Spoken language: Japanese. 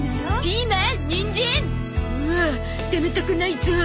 うわあでめたくないぞ。